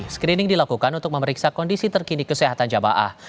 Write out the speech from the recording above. screening dilakukan untuk memeriksa kondisi terkini kesehatan jamaah